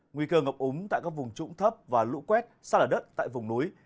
nguy cơ ngập úng tại các vùng trũng thấp và lũ quét xa lở đất tại vùng núi